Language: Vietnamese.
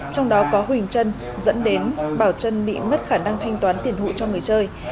trong đó có huỳnh chân dẫn đến bảo chân bị mất khả năng thanh toán tiền hụi cho người chơi